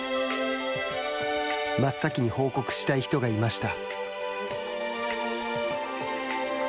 真っ先に報告したい人がいました。